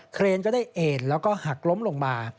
เครนก็ได้เอ็นแล้วก็หักล้มลงมา